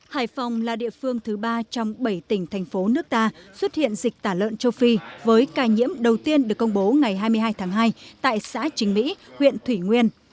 hải phòng là địa phương thứ ba trong bảy tỉnh thành phố nước ta xuất hiện dịch tả lợn châu phi với ca nhiễm đầu tiên được công bố ngày hai mươi hai tháng hai tại xã chính mỹ huyện thủy nguyên